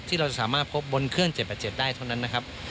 เราจะสามารถพบบนเครื่อง๗๘๗ได้เท่านั้นนะครับ